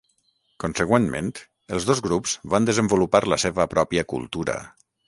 Consegüentment, els dos grups van desenvolupar la seva pròpia cultura.